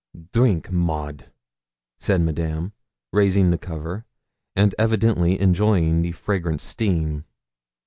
'Drink, Maud,' said Madame, raising the cover, and evidently enjoying the fragrant steam.